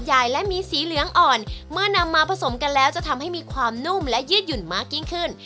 ใหญ่และมีสีเหลืองอ่อนเมื่อนำมาผสมกันแล้วจะทำให้มีความนุ่มและยืดหยุ่นมากยิ่งขึ้น